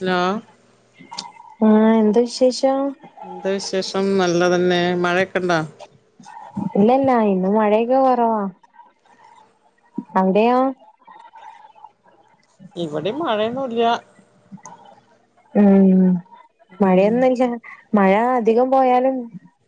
Hello ആഹ് എന്താവിശേഷം എന്താ വിശേഷം നല്ലതന്നെ മഴയൊക്കെണ്ടോ ഇല്യല്ല ഇന്ന് മഴേക്കെ കൊറവാ അവ്ടെയോ ഇവടിം മഴയൊന്നുല്യാ ഉം മഴയന്നുല്യ മഴ അധികം പോയാലും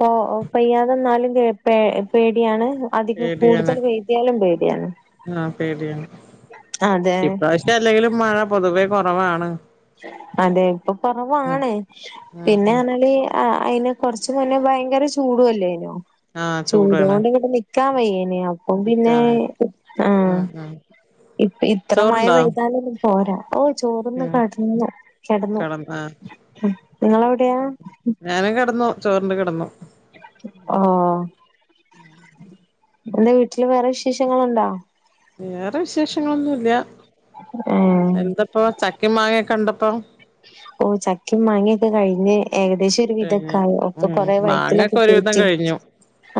പോ പെയ്യാതെന്നാലും കേ പേ പേടിയാണ് അധികം പേടിയാണ് കൂടുതൽ [unintelligible] പേടിയാണ് ആഹ് പേടി അതെ ഇപ്രാവശ്യം അല്ലെങ്കിലും മഴ പൊതുവേ കുറവാണ് അതെ ഇപ്പൊ കുറവാണ് ഉം ഉം പിന്നാന്ന് പറഞാല് ആ അയിന് കൊറച്ച് മുന്നേ ഭയങ്കര ചൂടു അല്ലേനൊ ആഹ് ചൂടാണ് ചൂടൊണ്ട് ഇവിടെ നിക്കാൻ വയ്യേനി അപ്പം പിന്നെ ഒക്കാണ് ആഹ് ഉം ഉം ഇപ്പ ഇത്ര മഴ ചോറുണ്ടോ പെയ്താലൊന്നും പോരാ ഓ ചോറ് ഉം കടന്നു കടന്നു കെടന്ന് ആഹ് നിങ്ങളെവിടെയാ ഞാനും കിടന്നു ചോറിണ്ട് കിടന്നു ഓ എന്റെ വീട്ടില് വേറെ വിശേഷങ്ങളുണ്ടോ വേറെ വിശേഷങ്ങളൊന്നില്ല ഏഹ് പ്പൊ ചക്കി മാങ്ങൊക്കെണ്ടപ്പോ ഓ ചക്കിം മാങ്ങൊക്കെ കഴിഞ്ഞ് ഏകദേശം കഴിഞ്ഞു വിതൊക്കായി അപ്പൊ ഉം കൊറേ മാങ്ങൊക്കെ വയറ്റിലൊക്കെ ഒരുവിധം പോയിട്ട് കഴിഞ്ഞു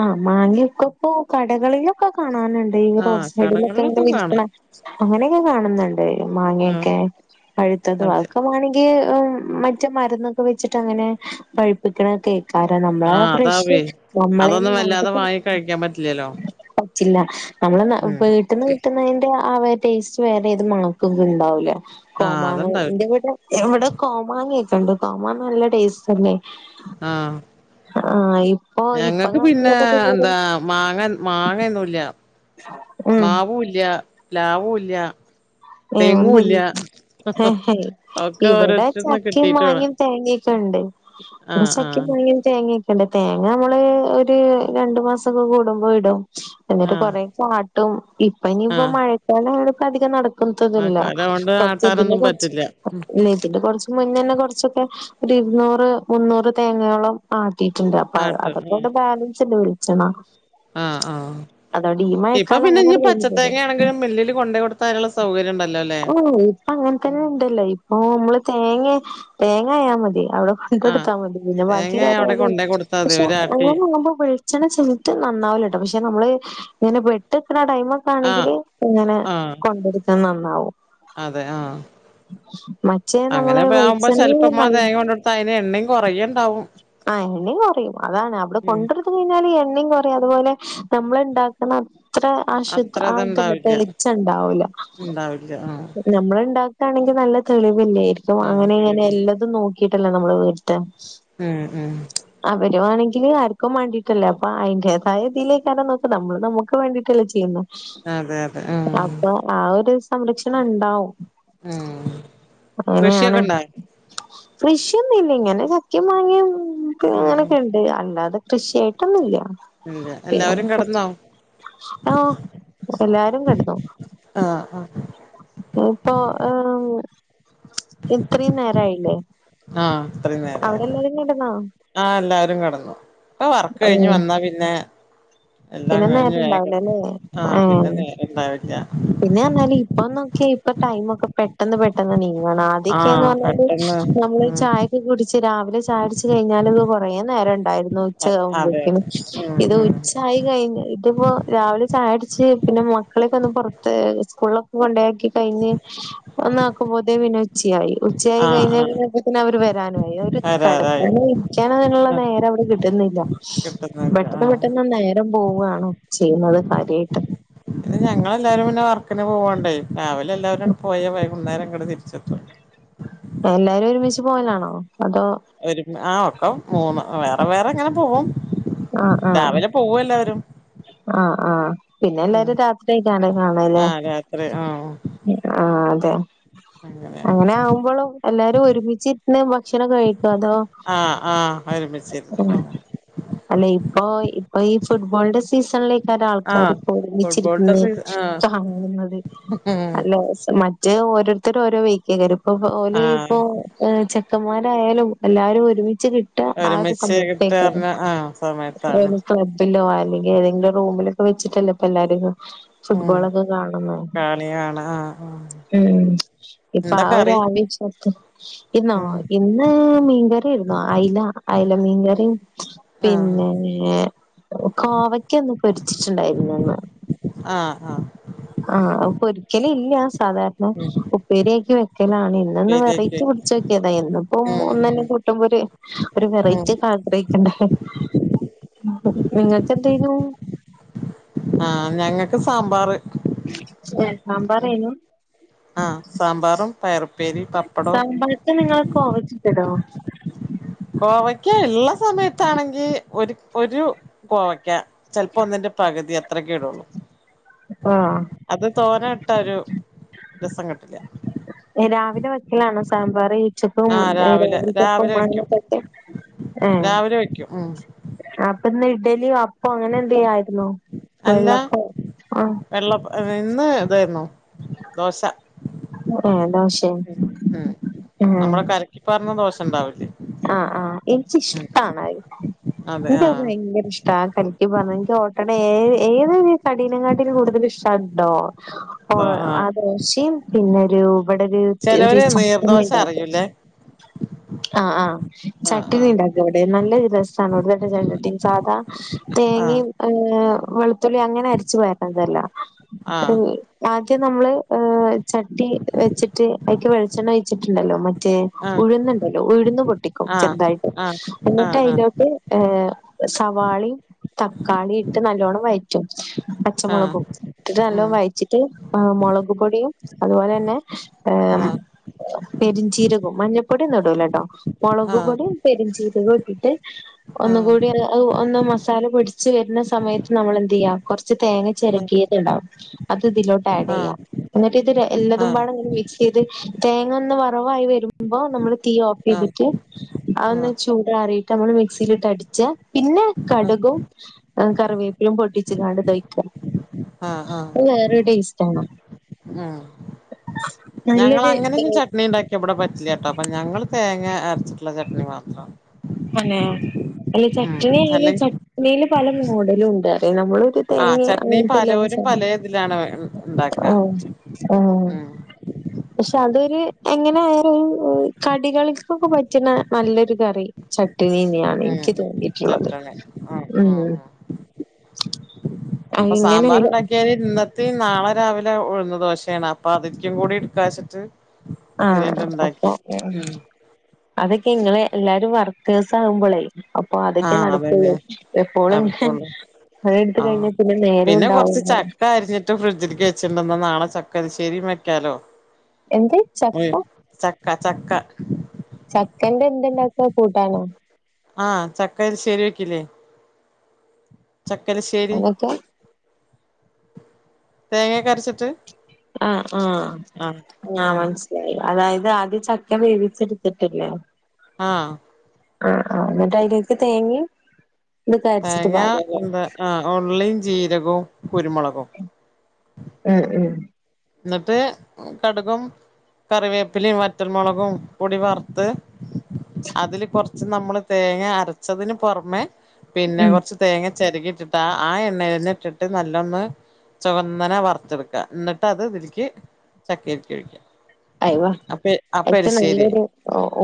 ആഹ് മാങ്ങ്യക്കിപ്പൊ കടകളിലൊക്കെ കാണാനുണ്ട് ഈ ആഹ് റോഡ് സൈഡിലൊക്കെ ഇങ്ങനെ കടകളിലൊക്കെ വിൽക്കണെ കാണാം അങ്ങനെയൊക്കെ കാണുന്നുണ്ട് ആഹ് മാങ്ങയൊക്കെ പഴുത്തത് വ അതെ ഇപ്പ വാണെങ്കിൽ മറ്റേ മരന്നൊക്കെ വെച്ചിട്ട് അങ്ങനെ പഴിപ്പിക്കണത് കാരണം നമ്മളെ ആഹ് ഫ്രഷ് അതാവേ നമ്മളെ അതൊന്നും നാട്ട വല്ലാതെ വാങ്ങി കഴിക്കാൻ പറ്റില്ലല്ലോ ച്ചില്ല നമ്മള് ഉം വീട്ട്ന്ന് കുന്നതിന്റെ ആ ടേസ്റ്റ് വേറേത് മാങ്ങക്കും ഉണ്ടാവില്ല ആഹ് അത്ണ്ടാവില്ല കോമാങ്ങന്റെ ഇവിടെ കോമാങ്ങക്കണ്ട് കോമാങ്ങ നല്ല ടേസ്റ്റല്ലേ ആഹ് ഇപ്പൊ ഞങ്ങൾക്ക് പിന്നെ കാണുന്നതൊക്കെ വെറും എന്താ മാങ്ങ മാങ്ങയൊന്നുംല്ല ഉം മാവൂല്ല പ്ലാവൂല്ല ഏ ഒന്ന് തെങ്ങൂല്ല ഒക്കെ ഇവിടെ ഓരോരുത്തരുന്ന് ചക്കേം കിട്ടീട്ട് വേണം മാങ്ങയും തേങ്ങൊക്കെ ഉണ്ട് കുറെ ആഹ് ചക്കിം ആഹ് മാങ്ങിം തേങ്ങൊക്കെണ്ട് തേങ്ങ നമ്മള് ഒരു രണ്ടു മാസൊക്കെ കൂടുമ്പോ ഇടും എന്നിട്ട് ആഹ് കുറെ ആട്ടും ഇപ്പ ഇനിയിപ്പം ആഹ് മഴക്കാലായോണ്ട് അധികം നടക്കു ത്തുന്നില്ല മഴക്കാലാവോണ്ട് [unintelligible] ആട്ടാനൊന്നും പറ്റില്ല ഉം [unintelligible] ഇത് കുറച്ച് മുന്നന്നെ കുറച്ചൊക്കെ ഒരു ഇരുന്നൂറ് മുന്നൂറ് തേങ്ങയോളം കിട്ടി ആട്ടീട്ടുണ്ട് അപ്പ ആട്ട് ഉം അത്പ്പോണ്ട് ബാലൻസ് ഉണ്ട് വെളിച്ചണ്ണാ ആഹ് ആഹ് അതോണ്ടീ ഇപ്പൊ മഴക്കാലം പിന്നെ ഇഞ്ഞ് അങ്ങനെയട് കഴിഞ്ഞ് ട്ടല്ലൊ പച്ചത്തേങ്ങയാണെങ്കിലും മില്ലില് കൊണ്ടോയ് കൊടുത്താ അയ്നുള്ള സൗകര്യം ഉണ്ടല്ലോ അല്ലേ ഓ ഇപ്പ അങ്ങനെ തന്നെ ഉണ്ടല്ലോ ഇപ്പൊ നമ്മള് തേങ്ങ തേങ്ങ ആയാ മതി അവിടെ കൊണ്ട് ആഹ് കൊടുത്താൽ മതി പിന്നെ ബാക്കി തേങ്ങ കാര്യം അവിടെ ഏറ്റു കൊണ്ടേ കൊടുത്താ മതി പക്ഷെ ഒരാട്ടി അങ്ങനെ ആകുമ്പോ വെ വെളിച്ചെണ്ണ ചീത്ത നന്നാവൂലാട്ടോ പക്ഷെ നമ്മള് ഇങ്ങനെ പെട്ട്ക്കണ ടൈം ഇപ്പം ആഹ് ആണെങ്കില് ഇങ്ങനെ ആഹ് കൊണ്ട് അതെ ആ മറ്റേ നമ്മള് അങ്ങനെ ആവുമ്പോ വെളിച്ചെണ്ണ ചെലപ്പം ഉമ്മ നല്ല തേങ്ങ കൊണ്ടെ കൊടുത്ത അയിന് എണ്ണയും കുറയേണ്ടാവും ആ എണ്ണയും കൊറയും അതാണ് അവിടെ ഉം കൊണ്ട് ട് കഴിഞ്ഞാല് എണ്ണയും കൊറയും അതുപോലെ നമ്മള് ഉണ്ടാക്കുന്ന അത്ര ആ ശുദ്ധ അത്ര ആ ഇതന്നെ ഇത്ണ്ടാവില്ല തെളിച്ചണ്ടാവൂല ഉണ്ടാവില്ല ആഹ് നമ്മള് ഇണ്ടാക്കുകയാണെങ്കിൽ നല്ല തെളിവെന്നായിരിക്കും ആഹ് അങ്ങനെ ഇങ്ങനെ തെളിവുണ്ട് എല്ലതും നോക്കി ക്കിട്ടല്ലേ നമ്മള് വീടുത്തെ ഉം ഉം അവരു വാണെങ്കില് ആർക്കും വേണ്ടിട്ടല്ലേ അപ്പൊ അതിന്റേതായ ഇതിലേക്കാരം നോക്ക് നമ്മള് നമുക്ക് വേണ്ടിയിട്ടല്ലേ ചെയ്യുന്നെ അതെ അതെ ഉം അപ്പൊ ആ ഒരു സംരക്ഷണം ണ്ടാവും ഉം അങ്ങനെയാണ് കൃഷിയൊക്കെ ഇണ്ടാ കൃഷിയൊന്നും ഇല്ല ഇങ്ങനെ കൃഷി ഇല്ല ഉം പിന്നെ അങ്ങനെയൊക്കെ ണ്ട് അല്ലാതെ കൃഷിയായിട്ടൊ ന്നുല്ല ഇല്ല എല്ലാവരും [unintelligible] കെടന്നോ ആഹ് എല്ലാരും കടന്നു ആഹ് ആഹ് ഇനി പ്പൊ ഇത്രയും നേരായി ലേ ആ ഇത്രയും നേരായല്ലോ ആ എല്ലരും കെടന്നു ഇപ്പ വർക്ക് കഴിഞ്ഞ് ഏഹ് വന്നാ പിന്നെ എല്ലാം പിന്നെ കഴിഞ്ഞ് നേരണ്ടാവൂലല്ലേ [inaudible] ആ പിന്നെ ഏഹ് നേരെ ഇണ്ടാവില്ലാ പിന്നെ റ്ഞ്ഞാല് ഇപ്പ നേക്കിയ ഇപ്പൊ ടൈമ് ഒക്കെ പെ ട്ടെന്ന് പെട്ടെന്ന് നീങ്ങാണ് ആദ്യക്കെന്ന് ആഹ് പറഞ്ഞാല് പെട്ടെന്ന് നമ്മള് ഉം ചായൊക്കെ കുടിച്ച് രാവിലെ ചായ കുടിച്ച് കഴിഞ്ഞാല് ഇത് കൊറേ നേരം ഉണ്ടായിരുന്നു ഉച്ചയാവുമ്പോ അതെ അതെ അതെ തിനും ഉം ഇത് ഉ ഉം ച്ചായി കഴിഞ്ഞ ഇതിപ്പോ രാവിലെ ചായ കുടിച്ച് പിന്നെ മക്കളെക്കെ ഒന്ന് പുറത്ത് സ്കൂളിലൊക്കെ കൊണ്ടാക്കി കഴിഞ്ഞ് ഒന്നാക്കുമ്പോതേക്ക് പിന്നെ ഉച്ചയായി ഉച്ചയായി കഴിഞ്ഞ ആഹ് പിന്നപ്പ തന്നെ അവര് വരാനു ആയി ഒര് ആഹ് വരാറായി കേടക്കാനോ ഇരിക്കാനോ ഉള്ള ആഹ് നേരം അവിടെ കിട്ടുന്നില്ല കിട്ടുന്നൊക്കെ പെട്ടെന്ന് ആഹ് പെട്ടെന്ന് നേരം നേരം പോവാ ആണോ ചെയ്യുന്നത് കാര്യമായിട്ട് ഇത് ഞങ്ങളെല്ലാരും പിന്നെ വർക്കിന് പോവാണ്ടേ രാവിലെ എല്ലാവരും അങ്ങ് പോയ വൈകുന്നേരം ഇങ്ങട് തിരിച്ചെത്തുള്ളൂ എല്ലാരും ഒരുമിച്ച് പോവലാണോ അതോ ഒരു ആ ഒക്കെ മൂന്ന് വേറെ വേറെ ഇങ്ങനെ പോകും ആഹ് ആഹ് രാവിലെ പോവു എല്ലാരും ആഹ് ആഹ് പിന്നെ എല്ലാരും രാത്രിയാക്കണെ കാണല്ലേ ആഹ് രാത്രി ആഹ് ആഹ് അതെ അങ്ങനെ ആകുമ്പോളും എല്ലാരും ഒരുമിച്ചിരുന്ന് ഭക്ഷണം കഴിക്കും അതോ ആഹ് ആഹ് അങ്ങനെ ഒരുമിച്ച് രുന്ന് അല്ലെ ഇപ്പൊ ഇപ്പൊ ഈ ഫുട്ബോളിന്റെ സീസണിലേ പല ആൾക്കാര് ആഹ് ഇപ്പോ ഫുട്ബോളിന്റെ ഒരുമിച്ചിരിക്കുന്ന് സീസ കാണുന്നത് ആഹ് നല്ല രസാ മ മറ്റേ ഓരോരുത്തര് ഓരോ വഴിക്ക് ഏകാരം ഇപ്പൊ ഓല് ആഹ് ഇപ്പോ ചെ ക്കന്മാരായാലും എല്ലാരും ഒരുമിച്ച് കിട്ടാ ആ ഒരു ഒരുമിച്ച് സമയത്തേക്കാ കിട്ടാർഞ്ഞ ആ സമയത്താണ് രം ക്ലബിലോ അല്ലെങ്കി ഏതെങ്കിലും റൂമിലൊക്കെ വെച്ചിട്ടല്ലോ ഇപ്പ എല്ലാരും ഉം ഫുട്ബോളൊക്കെ കാണുന്നത് കളികാണ ആഹ് ആഹ് ഉം ഇപ്പൊ ആ ഒരാവേശത്ത് ഇന്നോ ഉം ഇന്ന് മീൻ കറി ന്നുഅയില അയില മീൻകറി ആ പിന്നേ കോവയ്ക്ക ഒന്ന് പൊരിച്ചിട്ടുണ്ടായിര്ന്ന് ന്ന് ആഹ് ആഹ് ആഹ് അഹ് പൊരിക്കല് ഇല്ല സാധാരണ ഉം ഉപ്പേരിയാക്കി വെക്കലാണ് ഇന്ന്ഒന്ന് ശരിയാക്കി വെറൈറ്റി പിടിച്ച് നോക്കിയതാ എന്നുപ്പം ഉം ഒന്നന്നെ കൂട്ടുമ്പോര് ഒരു ഉം വെറൈറ്റി ഒക്കെ ആഗ്രഹിക്കണ്ട നിങ്ങൾക്ക്ന്തായുന്നു ആഹ് ഞങ്ങക്ക് സാമ്പാറ് ഏഹ് സാമ്പാറേന്നു ആഹ് സാമ്പാറും പയറുപ്പേരി പപ്പടവും ത് നിങ്ങള് കോവിച്ചിട്ടടോ കോവയ്ക്ക ഉള്ള സമയത്താണെങ്കി ഒരു ഒരു കോവക്ക ചെൽപ്പോ ഒന്നിന്റെ പകുതി അത്രക്കെ ഇടുള്ളൂ ആഹ് അത് തോന്നയിട്ട ഒരു രസം കിട്ടില്ല രാവിലെ വെക്കലാണോ സാമ്പാറ് ച്ചക്കും ആ രാവിലെ രാവിലെ വെക്കും രാവിൽതെക്കും [unintelligible] ഏഹ് രാവിലെ വെക്കും ഉം അപ്പൊ ഇന്ന് ഇഡലിയോ അപ്പം അങ്ങനെ എന്ത്യയിരുന്നോ വെള്ളപ്പം ആഹ് വെള്ളപ്പ ഇന്ന് ഇതായിരുന്നു ദോശ ഏഹ് ദോശേ ഏഹ് നമ്മള് കലക്കി പാർന്ന ദോശണ്ടാവില്ലേ ആഹ് ആഹ് ഇച്ചിഷ്ടണത് അതെ എനിക്ക് ആഹ് ഭയങ്കര ഇഷ് ട്ടാ കലിക്കി പാർന്ന ഇൻക്ക് ഓട്ടടയേ ഏ ഏതൊരു കഠിനങ്ങാട്ടി കൂടുതൽ ഇഷ്ടാട്ടോ ഓഹ് ആഹ് ആ ദോഷിം പിന്നെരു ഇവിടെ ഒരു ഒരു ചെലോര് നീർദോശ ചട്നിണ്ടാക്കും അറിയൂല്ലേ ആഹ് ആഹ് ആഹ് ചട്ടിനി ഉണ്ടാക്കും അവിടെ നല്ലൊ രസാണ് അവിടുട്ട ചട്ടിനി സാധാ ആഹ് [unintelligible] വെളുത്തുള്ളി അങ്ങനെ അരിച്ചു പാരുന്നതല്ല ആഹ് ആദ്യം നമ്മള് ഏഹ് ചട്ടി വെച്ചിട്ട് അയിക്ക് വെളിച്ചെണ്ണ ഒഴിച്ചിട്ടുണ്ടല്ലോ മ റ്റേ ആഹ് ഉഴുന്നുണ്ടല്ലോ ഉഴുന്നു പൊട്ടിക്കും ചെറുതായിട്ട് ആഹ് എന്നിട്ട് ആഹ് അയ്ലോട്ട് ഏഹ് സവാളീം തക്കാളി ഇട്ട് നല്ലോണം വയറ്റും ആഹ് ആഹ് ആഹ് ആഹ് പച്ചമുളകും ഇട്ട്ട്ട് നല്ലോം ഉം വഴറ്റിട്ട് മുളക്പൊടിയും അതുപോലെന്നെ ഏഹ് ആഹ് പെരിഞ്ചീരകവും മഞ്ഞൾപ്പൊടിയൊന്നും ഇടൂലട്ടോ ആഹ് മുളക് ആഹ് പൊടിം പെരുഞ്ചീരകം ഇട്ടിട്ട് ആഹ് ആഹ് ഒന്നുകൂടി ഒന്ന് മസാല പിടിച്ച് വരുന്ന സമയത്ത് നമ്മളെന്ത്യ്യാം കൊറച്ച് തേങ്ങ ചെരകിയത് ഇടാം അത് ഇതിലോട്ട് ആഡെയ്യാം ആഹ് എന്നിട്ട് ഇത് എല്ലാതുമ്പാടെ ഒന്ന് മി ചെയ്ത് തേങ്ങ ഒന്ന് വറവായി വരുമ്പോ നമ്മള് തീ ഓപ്പ് ചെയ്തിട്ട് അതൊന്ന് ആഹ് ചു ആറിയിട്ടമ്മള് മിക്സിയില് ഇട്ടടി ച്ചെ പിന്നെ കടുകും കറിവേപ്പിലും പൊട്ടിച്ച് കാണ്ട് ട്ടൊയ്ക്ക ആഹ് ആഹ് അഹ് വേറൊരു ടേസ്റ്റണ് ആഹ് ഞങ്ങള് നല്ലൊരു അങ്ങനെന്നും ച ട്ട്നി ണ്ടാക്കി ഇവിടെ പറ്റില്ലട്ടോ അപ്പൊ ഞങ്ങള് തേങ്ങ അരച്ചിട്ടുള്ള ചട്നി മാത്ര അന്നെ അല്ല ചട്ണി ആയാലും അല്ലെങ്കി ചട്നിയില് പല മോഡലുംണ്ട് നമ്മള് ഒരു ആഹ് തേങ്ങ ചട്നി അങ്ങനത്തെ പലോരും പലേ ഇതിലാണ് [unintelligible] ഇണ്ടാക്ക ആഹ് ആഹ് ഉം പക്ഷെ അതൊരു എങ്ങനെ വേറെ ഒരു കടികളിക്കൊക്കെ പറ്റ്ണ നല്ലൊരു കറി ചട്ടിനീന്നെയാണ് എനിക്ക് തോന്നിയിട്ടുള്ളത് ഉം അങ്ങനെല ത് നാളെ രാവിലെ ഉഴുന്ന് ദോശയാണ് അപ്പൊ അതിൽക്കും കൂടി എടുക്കാ വെച്ചിട്ട് ആഹ് ആഹ് അപ്പൊ ഉം അതൊക്കെ ഇങ്ങള് എല്ലാരും വർക്കെഴ്സ് ആഉമ്പളേ ഇപ്പൊ അതൊക്കെ ആഹ് നടക്കുള്ളൂ അതന്നെ എപ്പോളും ഇങ്ങെ നടക്കുള്ളൂ പണി ഇടുത് ആഹ് കഴിഞ്ഞ പിന്നെ നേരുണ്ടാവൂല ട്ട് ഫ്രഡ്ജിക്ക് വെച്ചിണ്ട ന്നാ നാളെ ചക്കരിശ്ശേരിം വെക്കാലോ എന്ത് ഉം ചപ്പ ചക്ക ചക്ക ചക്കന്റെ എന്ത്ണ്ടാക്ക കൂട്ടാനോ ആഹ് ചക്ക എരിശേരി വെക്കില്ലേ ചക്കരശ്ശേരി അതൊക്കെ തേങ്ങെക്കെ അരച്ചിട്ട് ആഹ് ആഹ് ആഹ് മനസ് സ്സിലായി അതായത് ആദ്യം ചക്ക വേവിച്ചെടുത്തിട്ടില്ലേ ആഹ് ആഹ് ആഹ് ന്നിട്ട് അയിലേക്ക് തേങ്ങിം ഇത് അര്ച്ചിട്ട് പാര ലേ ഉള്ളീം ജീരകവും കുരുമുളകും ഉം ഉം ന്നട്ട് കട്കും കറിവേപ്പിലിം വറ്റൽമുളകും പൊടി വർത്ത് അതില് കൊർച്ച് നമ്മള് തേങ്ങ അരച്ചതിന് പൊർമെ പിന്നെ ഉം കൊർച്ച് തേങ്ങ ചരകി ഇട്ടിട്ടാ ആ എണ്ണയിൽന്നെ ഇട്ടിട്ട് നല്ലൊന്ന് ചുവന്നനെ വർത്തെടുക്ക എന്നിട്ട് അത് ഇതിൽക്ക് ചക്കക്ക് ഒഴിക്കാ അയ്വാ അയ്ക്ക് നല്ലൊരു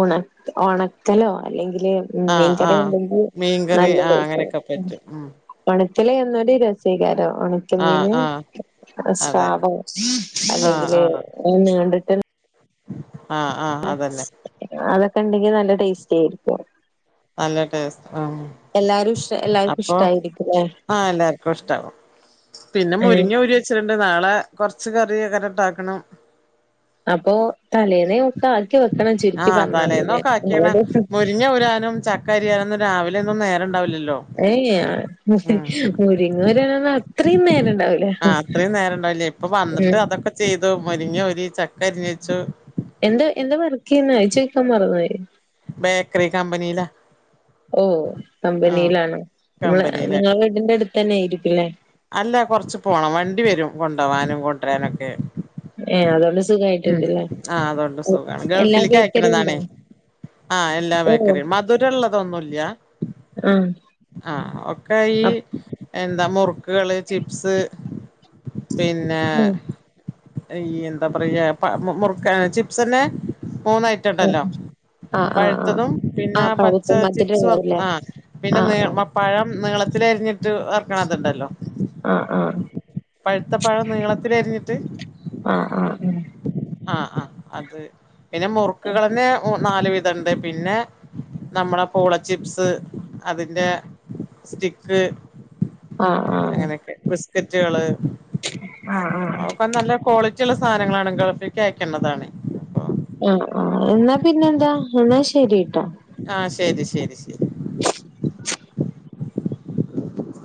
ഉണ ഒണക്കലോ അല്ലെങ്കില് ആഹ് മീൻകറിയോ ആഹ് ഉണ്ടെങ്കി മീൻകറി നല്ല ആഹ് ടേസ്റ്റ് അങ്ങനെയൊക്കെ ആയെനി പറ്റും ഉം ഒണക്കല് ഒന്നൂടി രസേക്കാരം ആഹ് ചെമ്മീനോ ആഹ് അതെ സ്രാവോ ആഹ് അല്ലെങ്കില് ആഹ് നീണ്ടിട്ട് ഒരു ആഹ് ആഹ് അതന്നെ അതൊക്കെ ഉണ്ടെങ്കി നല്ല ടേസ്റ്റ് ആയിരിക്കും നല്ല ടേസ്റ്റ് ആഹ് എല്ലാരും ഇഷ് എല്ലാർക്കും അപ്പൊ ഇഷ്ടായിരിക്കുംല്ലേ ആഹ് എല്ലാർക്കും ഇഷ്ടാവും പിന്നെ ഏഹ് മുരിങ്ങ ഊരി വെച്ചതുണ്ട് നാളെ കൊർച്ച് കറി അങ്ങനെണ്ടാക്കണം അപ്പൊ തലേന്നേ ഒക്കെ ആക്കി വെക്കണം ചുരുക്കി ആഹ് പറഞ്ഞാല് ലേ തലേന്നൊക്കെ ആക്കിയണ [unintelligible] ചക്ക അരിയാനൊന്നും രാവിലെ ഒന്നും നേരം ഉണ്ടാവില്ലല്ലോ ഏയേ ഉം മുരിങ്ങ ഊരാനൊന്നും അത്രിം നേരം ഉണ്ടാവൂല ആ അത്രയും നേരം ഉണ്ടാവില്ല ഇപ്പൊ ഉം വന്നിട്ട് അതൊക്കെ ചെയ്തു മുരിങ്ങ ഊരി ചക്ക അരിഞ്ഞച്ചു എന്താ എന്താ വർക്ക് ചെയ്യുന്നെ അത് ചോയിക്കാൻ മറന്ന് പോയി ബേക്കറി കമ്പനി ലാ ഓഹ് കമ്പനിയിലാണോ ങ്ങളെ കമ്പനിയിലാണ് ഇങ്ങള വീടിന്റെ അടുത്ത് തന്നെ ആയിരിക്കും ലേ അല്ല കൊർച്ച് പോണം വണ്ടി വരും കൊണ്ടോവാനും കൊണ്ട്രാനൊക്കെ ഏ അതുകൊണ്ട് ഉം സുഖായിട്ടുണ്ടല്ലേ ആഹ് അതോണ്ട് സുഖാണ് എല്ലാ ഗൾഫിൽക്ക് ബേക്കറിയും ഉണ്ടോ അയക്ക്ണതാണേ ആഹ് എല്ലാ ഓ ബേക്കറിം മധുരള്ളതൊന്നുല്ല അഹ് ആഹ് ഒക്കെ ഈ എന്താ മുറുക്കുകള് ചിപ്സ് പിന്നെ അപ്പൊ അയീ എന്ത പറയാ പ മുറുക്ക ചിപ്സന്നെ മൂന്ന് ഐറ്റം ഉണ്ടല്ലോ ആ ആ ആ പഴുത്തതും ആ പിന്നെ പച്ച പഴുത്ത ചിപ്സ് വറ്ത്ത് മധുരമുള്ളതല്ലേ ആ പിന്നെ ആ നീ പഴം നീളത്തിലരിഞ്ഞിട്ട് വറ്ക്കണതുണ്ടല്ലോ അഹ് ആഹ് പഴുത്ത പഴം നീളത്തിലരിഞ്ഞിട്ട് ആ ആ ആ ആഹ്. ആ അത്. പിന്നെ മുറുക്കുകളന്നെ മു നാല് വിധം ഉണ്ട്. പിന്നെ നമ്മുടെ പൂള ചിപ്സ് അതിന്റെ സ്റ്റിക്ക് ആ ആ അങ്ങനെയൊക്കെ ബിസ്കറ്റുകൾ, ആ അതൊക്കെ നല്ല ക്വാളി റ്റി ഉള്ള സാധനങ്ങളാണ്. ഗൾഫിക് അയക്കേണ്ടതാണ്. അപ്പൊ ആ ആ എന്നാ പിന്നെന്താ എന്നാ ശരിട്ടോ. ആഹ്. ശരി. ശരി. ശരി ഉ [inaudible]